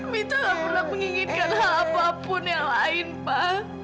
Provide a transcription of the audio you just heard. minta nggak pernah menginginkan hal apapun yang lain pa